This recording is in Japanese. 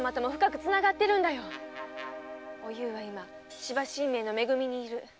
おゆうは今芝神明のめ組にいる。